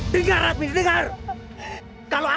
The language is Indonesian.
berikan ke dalam